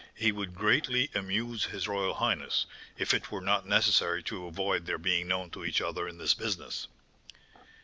He would greatly amuse his royal highness, if it were not necessary to avoid their being known to each other in this business."